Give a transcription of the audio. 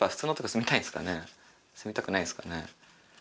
住みたくないですかね？